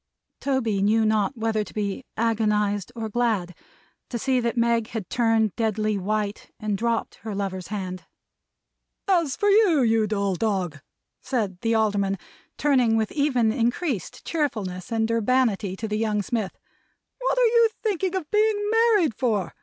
Toby knew not whether to be agonized or glad, to see that Meg had turned deadly white, and dropped her lover's hand. "As for you, you dull dog," said the Alderman, turning with even increased cheerfulness and urbanity to the young smith, "what are you thinking of being married for?